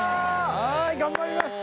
はい頑張りました！